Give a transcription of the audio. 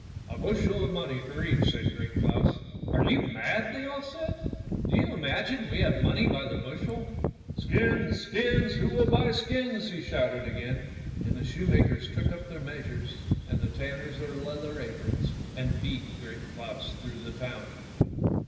" A bushel of money for each," said Great Claus. " Are you mad? " they all said; " do you imagine we have money by the bushel? "" Skins, skins, who will buy skins? " he shouted again, and the shoemakers took up their measures and the tanners their leather aprons, and beat Great Claus through the town.